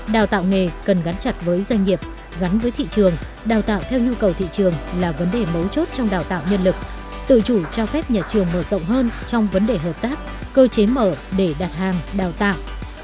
đào tạo nghề cần gắn chặt với doanh nghiệp gắn với thị trường đào tạo theo nhu cầu thị trường là vấn đề mấu chốt trong đào tạo nhân lực tự chủ cho phép nhà trường mở rộng hơn trong vấn đề hợp tác cơ chế mở để đặt hàng đào tạo